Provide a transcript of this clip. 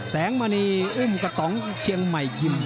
แสงม่านีอื่มกระตองเชียงไม่ยิ่ม